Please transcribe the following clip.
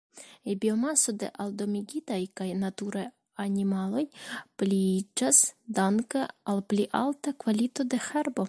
Biomaso de aldomigitaj kaj naturaj animaloj pliiĝas danke al pli alta kvalito de herbo.